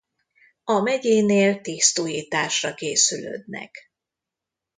A megyénél tisztújításra készülődnek.